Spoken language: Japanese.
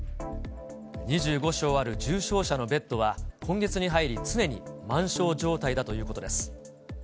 ２５床ある重症者のベッドは、今月に入り常に満床状態だということです。